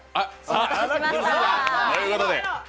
さあ、ということで。